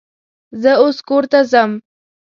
زه اوس کور ته ځم